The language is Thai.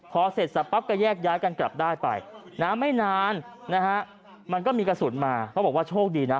พอเสร็จสับปั๊บก็แยกย้ายกันกลับได้ไปนะไม่นานนะฮะมันก็มีกระสุนมาเขาบอกว่าโชคดีนะ